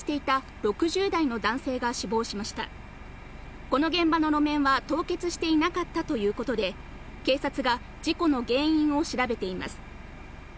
この現場の路面は凍結していなかったということで、警察が事故の原因を調べています。